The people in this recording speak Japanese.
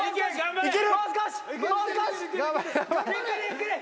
いける！